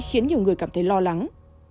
khiến nhiều người cảm thấy lo lắng